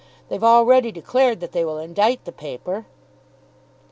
They've already declared that they will indict the paper."